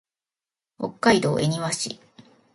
北海道恵庭市